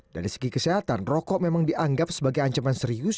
dari segi kesehatan rokok memang dianggap sebagai ancaman serius